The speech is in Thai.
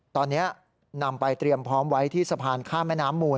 ตอนนี้นำไปเตรียมพร้อมไว้ที่สะพานข้ามแม่น้ำมูล